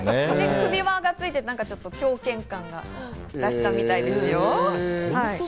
首輪がついていて、狂犬感を出したみたいですよ。